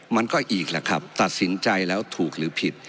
มันก็อีกแหละครับตัดสินใจแล้วถูกหรือผิด